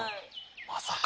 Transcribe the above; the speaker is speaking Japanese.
まさか。